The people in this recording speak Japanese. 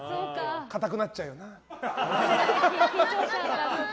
かたくなっちゃうよな。